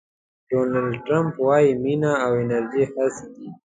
ډونالډ ټرمپ وایي مینه او انرژي هر څه دي.